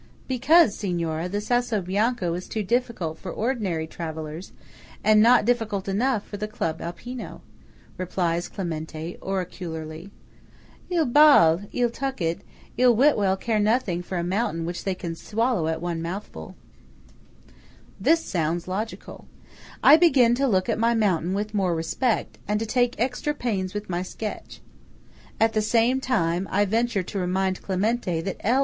"Because, Signora, the Sasso Bianco is too difficult for ordinary travellers, and not difficult enough for the Club Alpino," replies Clementi, oracularly. "Il Ball, il Tuckett, il Whitwell care nothing for a mountain which they can swallow at one mouthful." SASSO BIANCO. This sounds logical. I begin to look at my mountain with more respect, and to take extra pains with my sketch. At the same time, I venture to remind Clementi that L.